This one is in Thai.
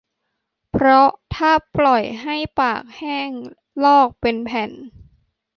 เพราะถ้าปล่อยให้ปากแห้งลอกเป็นแผ่น